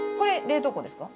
冷凍庫です。